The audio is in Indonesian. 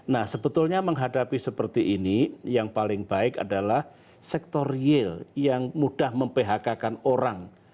nah sebetulnya menghadapi seperti ini yang paling baik adalah sektor real yang mudah mem phk kan orang